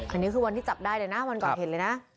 อันนี้คือวันที่จับได้เลยนะวันก่อนเห็นเลยนะ